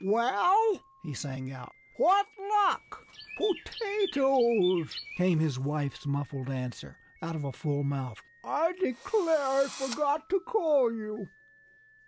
"Well!" he sang out. "What luck!" "Potatoes!" came his wife's muffled answer, out of a full mouth. "I declare, I forgot to call you."